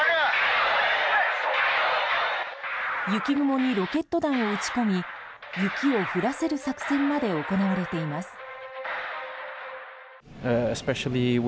雪雲にロケット弾を撃ち込み雪を降らせる作戦まで行われています。